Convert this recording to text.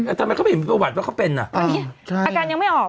เออทำไมเขาเห็นประวัติว่าเขาเป็นอ่ะอืมใช่อาการยังไม่ออก